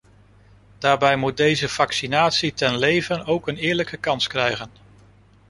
Daarbij moet deze vaccinatie ten leven ook een eerlijke kans krijgen.